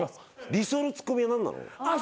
理想のツッコミは何なの？